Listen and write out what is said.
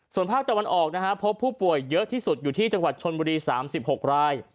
ส่วนภาคตะวันออกนะฮะพบผู้ป่วยเยอะที่สุดอยู่ที่จังหวัดชนบุรี๓๖ราย